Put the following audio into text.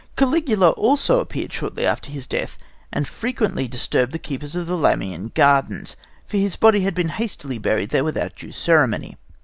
Caligula also appeared shortly after his death, and frequently disturbed the keepers of the Lamian Gardens, for his body had been hastily buried there without due ceremony.